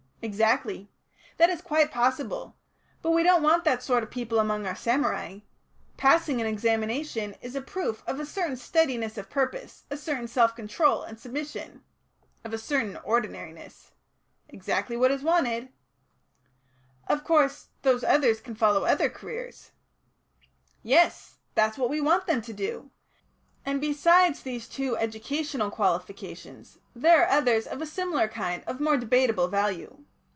"Exactly. That is quite possible. But we don't want that sort of people among our samurai. Passing an examination is a proof of a certain steadiness of purpose, a certain self control and submission " "Of a certain 'ordinariness.'" "Exactly what is wanted." "Of course, those others can follow other careers." "Yes. That's what we want them to do. And, besides these two educational qualifications, there are two others of a similar kind of more debateable value.